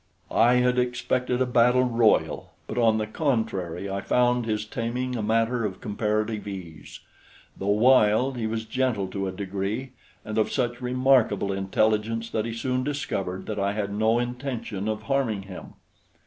I had expected a battle royal; but on the contrary I found his taming a matter of comparative ease. Though wild, he was gentle to a degree, and of such remarkable intelligence that he soon discovered that I had no intention of harming him.